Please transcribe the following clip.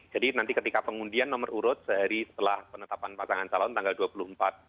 jadi nanti ketika pengundian nomor urut sehari setelah penetapan pasangan calon tanggal dua puluh empat